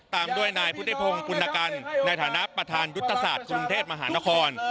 ตามด้วยนายพุทธิพงศ์ปุณกันในฐานะประธานยุทธศาสตร์กรุงเทพมหานคร